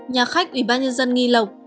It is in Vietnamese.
nhà khách ubnd nghi lộc